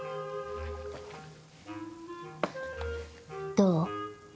どう？